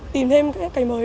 tìm thêm các cái mới